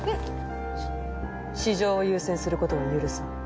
私情を優先することは許さん。